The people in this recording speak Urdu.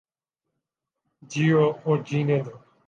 جیو اور جینے دو